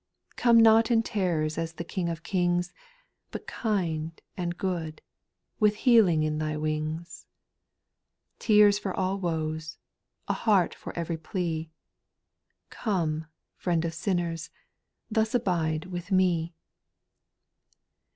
3. Come not in terrors as the King of kings, But kind and good, with healing in Thy wings, — Tears for all woes, a heart for ev'ry plea, Come, Friend of sinners, thus abide with me.